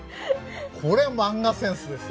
これマンガセンスですよ。